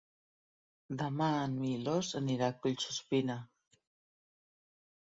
Demà en Milos anirà a Collsuspina.